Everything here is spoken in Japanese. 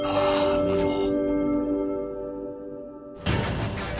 うまそう。